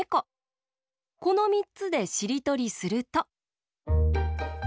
このみっつでしりとりすると。